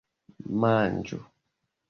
manĝu